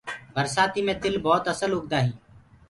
برسآتي مي تِل ڀوت اسل اُگدآ هينٚ۔